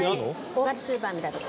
大型スーパーみたいなとこ。